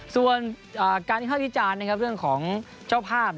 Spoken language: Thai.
ส่วนการที่ข้าวพิจารณ์ในเรื่องของเจ้าภาพ